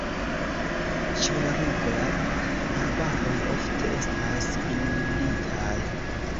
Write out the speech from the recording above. Ĉeriver-arbaroj ofte estas inunditaj.